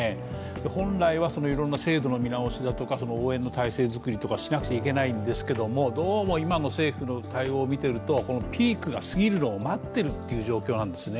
本来はいろんな制度の見直しだとか応援の態勢づくりとかしなくてはいけないんですけどもどうも今の政府の対応を見ているとピークが過ぎるのを待っているという状況なんですね。